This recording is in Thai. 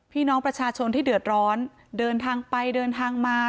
พี่น้องประชาชนที่เดือดร้อนเดินทางไปเดินทางมา